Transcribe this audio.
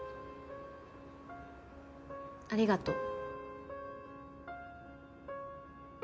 ありがとう。